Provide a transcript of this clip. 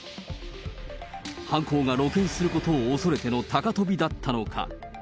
犯行が露見することを恐れての高飛びだったのか。